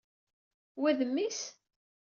Wa, d mmi-s?